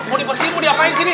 mau dipersihin mau diapain disini